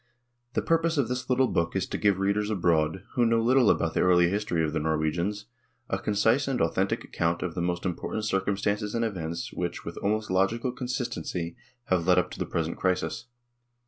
The purpose of this little book is to give readers abroad, who know little about the early history of the Norwegians, a concise and authentic account of the most important circum stances and events, which, with almost logical con sistency, have led up to the present crisis.